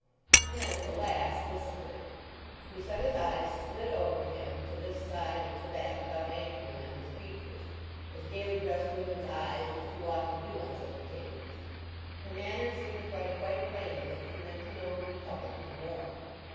Hence, alas, this occurred: Lucetta's eyes slid over him to this side and to that without anchoring on his features—as gaily dressed women's eyes will too often do on such occasions. Her manner signified quite plainly that she meant to know him in public no more.